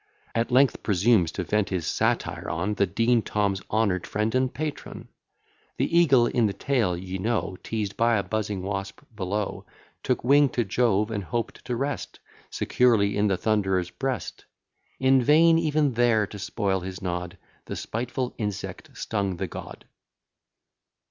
At length presumes to vent his satire on The Dean, Tom's honour'd friend and patron. The eagle in the tale, ye know, Teazed by a buzzing wasp below, Took wing to Jove, and hoped to rest Securely in the thunderer's breast: In vain; even there, to spoil his nod, The spiteful insect stung the god.